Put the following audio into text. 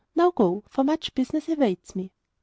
Now go; for much business awaits me!